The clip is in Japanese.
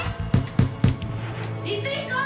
光彦！